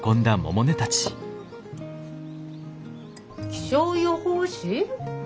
気象予報士？